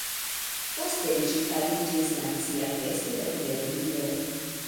Poste ĝi fariĝis nacia festo em Belgio.